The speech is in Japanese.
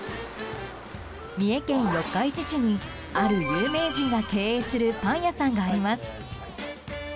三重県四日市市にある有名人が経営するパン屋さんがあります。